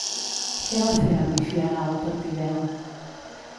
Què va fer Amifiarau per Tideu?